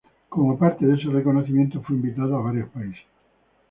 Como parte de ese reconocimiento fue invitado a varios países.